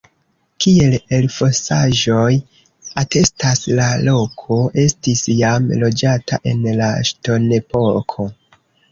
Kiel elfosaĵoj atestas, la loko estis jam loĝata en la ŝtonepoko.